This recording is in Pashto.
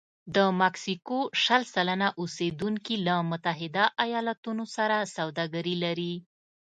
د مکسیکو شل سلنه اوسېدونکي له متحده ایالتونو سره سوداګري لري.